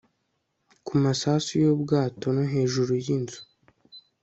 Ku masasu yubwato no hejuru yinzu